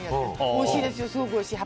おいしいですよ、すごく。